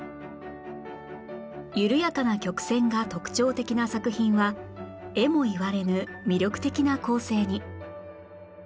緩やかな曲線が特徴的な作品はえも言われぬ魅力的な構成に